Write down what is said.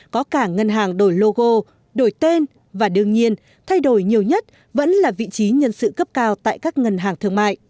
có cả ngân hàng đổi logo đổi tên và đương nhiên thay đổi nhiều nhất vẫn là vị trí nhân sự cấp cao tại các ngân hàng thương mại